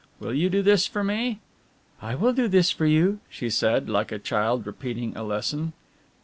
Will you do this for me?" "I will do this for you," she said, like a child repeating a lesson.